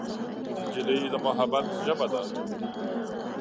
نجلۍ د محبت ژبه ده.